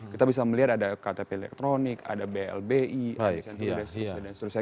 kita bisa melihat ada ktp elektronik ada blbi ada center dan seterusnya